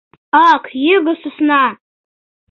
Ак, його сӧсна!